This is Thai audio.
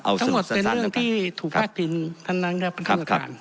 เอาทั้งหมดเป็นเรื่องที่ถูกพาดพิงท่านนังเจ้าเป็นท่านอาจารย์